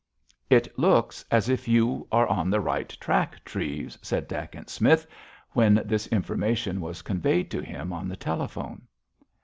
"It looks as if you are on the right track, Treves," said Dacent Smith, when this information was conveyed to him on the telephone.